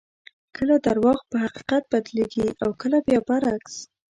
کله درواغ په حقیقت بدلېږي او کله بیا برعکس.